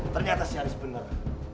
ternyata sih aris bener